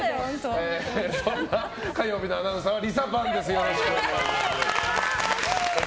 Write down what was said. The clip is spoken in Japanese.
そんな火曜日のアナウンサーはリサパンです。